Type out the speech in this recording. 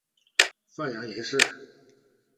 范阳人氏。